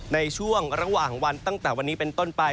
ในช่วงระหว่างวันตั้งแต่วันนี้เป็นต้นไป